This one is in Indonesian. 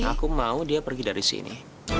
aku mau dia pergi dari sini